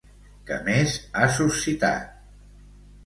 Què més ha suscitat?